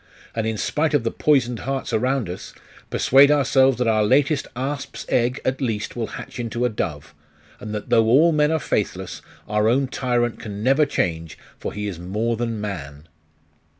and in spite of the poisoned hearts around us, persuade ourselves that our latest asp's egg, at least, will hatch into a dove, and that though all men are faithless, our own tyrant can never change, for he is more than man!